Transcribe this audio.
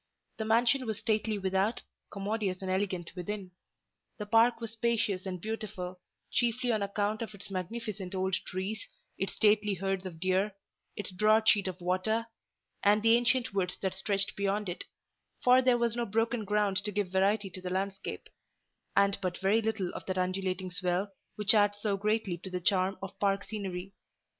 The mansion was stately without, commodious and elegant within; the park was spacious and beautiful, chiefly on account of its magnificent old trees, its stately herds of deer, its broad sheet of water, and the ancient woods that stretched beyond it: for there was no broken ground to give variety to the landscape, and but very little of that undulating swell which adds so greatly to the charm of park scenery.